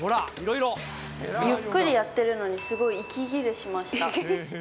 ゆっくりやってるのに、すごい息切れしました。